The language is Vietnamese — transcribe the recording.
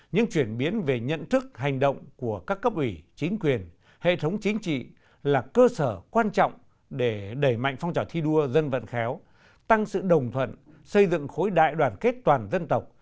những chuyển biến về nhận thức hành động của các cấp ủy chính quyền hệ thống chính trị là cơ sở quan trọng để đẩy mạnh phong trào thi đua dân vận khéo tăng sự đồng thuận xây dựng khối đại đoàn kết toàn dân tộc